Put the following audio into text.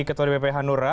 ketua dpp hanura